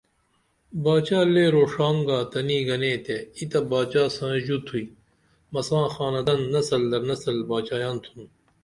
باچا لے روڜان گا تنی گنے ای تہ باچا سائی ژو تھوئی مساں خاندان نسل در نسل باچایان تُھن